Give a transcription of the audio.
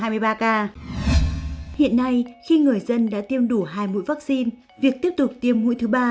hiện nay khi người dân đã tiêm đủ hai mũi vaccine việc tiếp tục tiêm mũi thứ ba